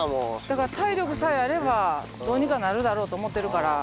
だから体力さえあればどうにかなるだろうと思ってるから。